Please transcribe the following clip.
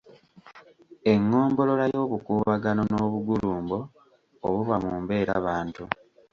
Engombolola y’obukuubagano n’obugulumbo obuba mu mbeerabantu.